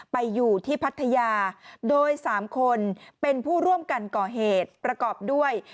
ไปอยู่ที่พัทยาโดย๓คนเป็นผู้ร่วมกันก่อเหตุประกอบด้วย